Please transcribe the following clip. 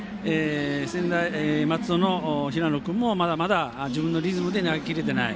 専大松戸の平野君も、まだまだ自分のリズムで投げ切れてない。